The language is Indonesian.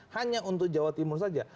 hanya untuk jawa timur saja